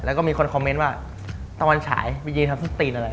แล้วก็มีคนคอมเมนต์ว่าตอนฉายมียืนทำสตินอะไร